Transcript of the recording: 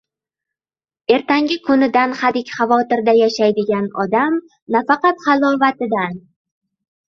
• Ertangi kunidan hadik-xavotirda yashaydigan odam nafahat halovatidan